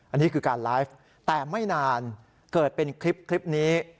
อันนี้คือการไลฟ์แต่ไม่นานเกิดเป็นคลิปนี้